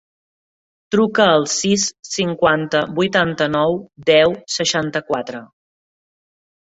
Truca al sis, cinquanta, vuitanta-nou, deu, seixanta-quatre.